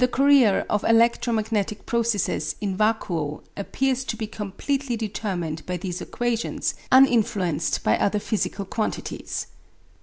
The career of electromagnetic processes in vacuo appears to be completely determined by these equations, uninfluenced by other physical quantities.